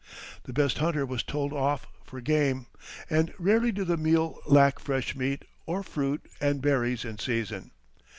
The best hunter was told off for game, and rarely did the meal lack fresh meat or fruit and berries in season.